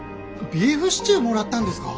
ビーフシチューもらったんですか？